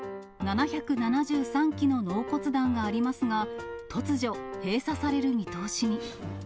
７７３基の納骨壇がありますが、突如、閉鎖される見通しに。